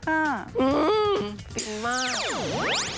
จริงมาก